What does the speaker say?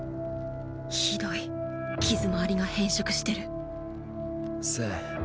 ひどい傷周りが変色してる政